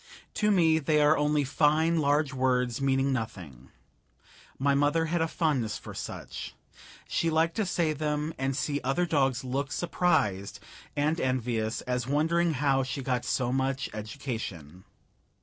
To me they are only fine large words meaning nothing. My mother had a fondness for such; she liked to say them, and see other dogs look surprised and envious, as wondering how she got so much education.